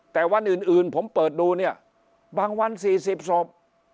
แต่วันอื่นผมเปิดดูเนี่ยบางวัน๔๐ศพ